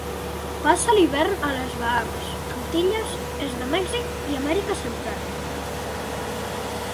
Passa l'hivern a les Bahames, Antilles, est de Mèxic i Amèrica Central.